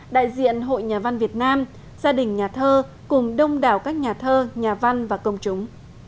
đại diện hội nhà văn việt nam gia đình nhà thơ cùng đông đảo các nhà thơ nhà văn và công chúng